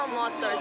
私。